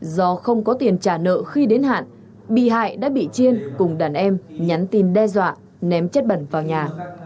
do không có tiền trả nợ khi đến hạn bị hại đã bị chiên cùng đàn em nhắn tin đe dọa ném chất bẩn vào nhà